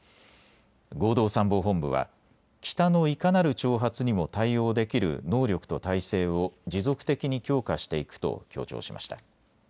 合同参謀本部は北のいかなる挑発にも対応できる能力と態勢を持続的に強化していくと強調しました。